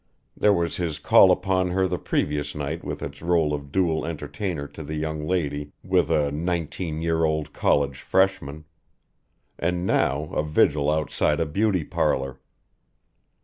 There was his call upon her the previous night with its role of dual entertainer to the young lady with a nineteen year old college freshman. And now a vigil outside a beauty parlor.